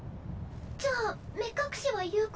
じゃあ目隠しは有効？